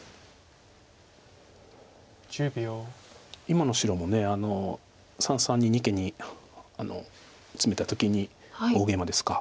今の白も三々に二間にツメた時に大ゲイマですか。